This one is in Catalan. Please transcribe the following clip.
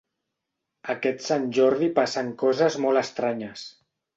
Aquest Sant Jordi passen coses molt estranyes.